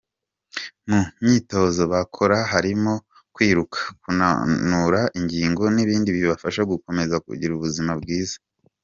Mu myitozo bakora harimo kwiruka, kunanura ingingo n’ibindi bibafasha gukomeza kugira ubuzima bwiza.